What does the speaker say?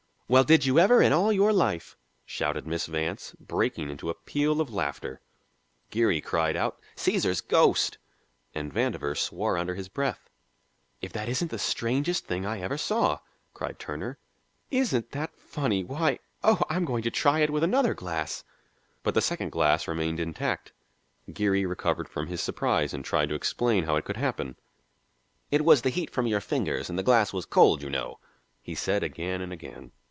"Well, did you ever in all your life?" shouted Miss Vance, breaking into a peal of laughter. Geary cried out, "Cæsar's ghost!" and Vandover swore under his breath. "If that isn't the strangest thing I ever saw!" cried Turner. "Isn't that funny why oh! I'm going to try it with another glass!" But the second glass remained intact. Geary recovered from his surprise and tried to explain how it could happen. "It was the heat from your fingers and the glass was cold, you know," he said again and again.